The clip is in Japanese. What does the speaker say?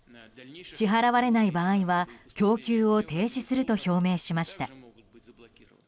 支払われない場合は供給を停止すると表明しました。